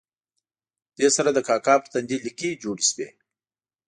دې سره د کاکا پر تندي لیکې جوړې شوې.